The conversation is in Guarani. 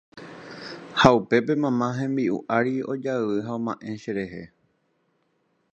Ha upépe mamá hembi'u ári ojayvy ha oma'ẽ cherehe